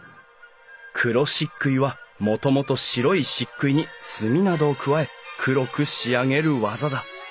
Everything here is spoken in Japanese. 黒漆喰はもともと白い漆喰に墨などを加え黒く仕上げる技だ。